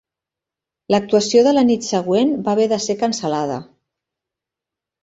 L'actuació de la nit següent va haver de ser cancel·lada.